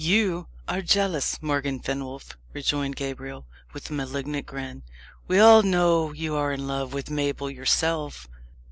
"You are jealous, Morgan Fenwolf," rejoined Gabriel, with a malignant grin. "We all know you are in love with Mabel yourself."